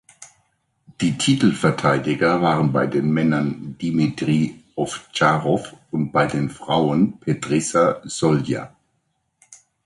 Die Titelverteidiger waren bei den Männern Dimitrij Ovtcharov und bei den Frauen Petrissa Solja.